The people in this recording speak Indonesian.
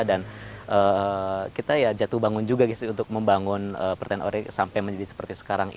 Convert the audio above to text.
dan kita jatuh bangun juga untuk membangun pertanian organik sampai menjadi seperti sekarang ini